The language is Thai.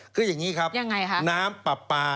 คืออย่างนี้ครับน้ำปลาปลา